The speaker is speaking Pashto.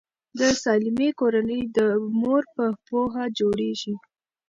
د سالمې کورنۍ د مور په پوهه جوړیږي.